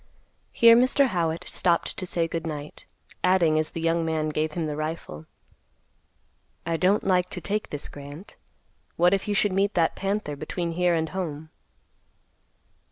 Here Mr. Howitt stopped to say good night, adding, as the young man gave him the rifle, "I don't like to take this, Grant. What if you should meet that panther between here and home?"